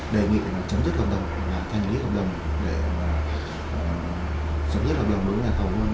đề nghị chấm dứt hợp đồng và thanh lý hợp đồng để dẫn dứt hợp đồng đối với nhà thầu hơn